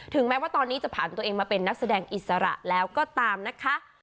แม้ว่าตอนนี้จะผ่านตัวเองมาเป็นนักแสดงอิสระแล้วก็ตามนะคะ